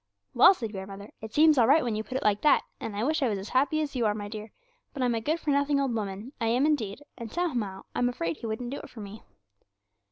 "' 'Well,' said grandmother, 'it seems all right when you put it like that, and I wish I was as happy as you are, my dear; but I'm a good for nothing old woman, I am indeed, and somehow I'm afraid He wouldn't do it for me.'